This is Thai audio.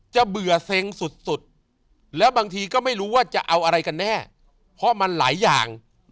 เบื่อเซ็งสุดแล้วบางทีก็ไม่รู้ว่าจะเอาอะไรกันแน่เพราะมันหลายอย่าง